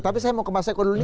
tapi saya mau ke mas eko dulu